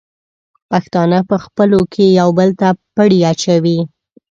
پښتانه په خپلو کې یو بل ته پړی اچوي.